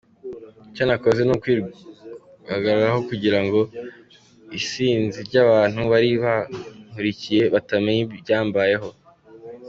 Icyo nakoze ni ukwihagararaho kugira ngo isinzi ry’abantu bari bankurikiye batamenya ibimbayeho.